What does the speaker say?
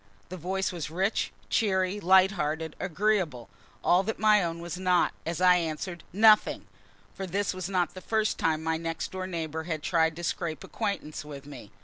The voice was rich, cheery, light hearted, agreeable; all that my own was not as I answered "Nothing!" for this was not the first time my next door neighbor had tried to scrape acquaintance with me.